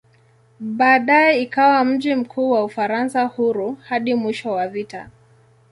Baadaye ikawa mji mkuu wa "Ufaransa Huru" hadi mwisho wa vita.